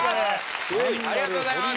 ありがとうございます。